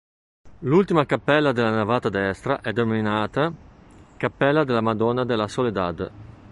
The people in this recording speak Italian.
L'ultima cappella della navata destra è denominata "Cappella della Madonna della Soledad".